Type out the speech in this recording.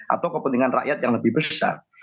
atau kepentingan rakyat yang lebih besar